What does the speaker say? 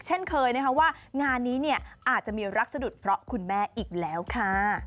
เช่นเคยว่างานนี้อาจจะมีรักษดุทธิ์เพราะคุณแม่อีกแล้วค่ะ